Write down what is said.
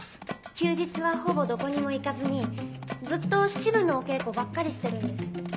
休日はほぼどこにも行かずにずっと詩舞のお稽古ばっかりしてるんです。